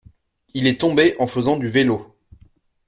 Il est tombé en faisant du vélo.